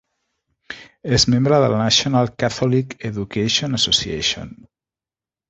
És membre de la National Catholic Education Association.